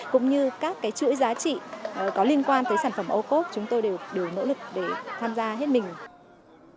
cũng như các chuỗi giá trị có liên quan tới sản phẩm ô cốt chúng tôi đều nỗ lực để tham gia hết mình